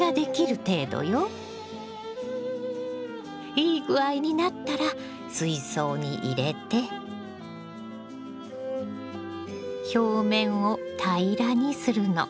いい具合になったら水槽に入れて表面を平らにするの。